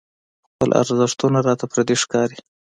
خپل ارزښتونه راته پردي ښکاري.